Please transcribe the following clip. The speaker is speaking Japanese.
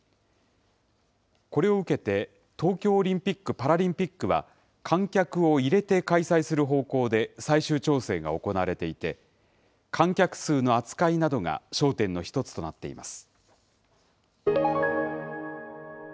これを受けて、東京オリンピック・パラリンピックは、観客を入れて開催する方向で最終調整が行われていて、観客数の扱いなどが焦点の一つとなっています。